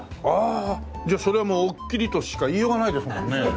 ああじゃあそれはもう「おっきり」としか言いようがないですもんね。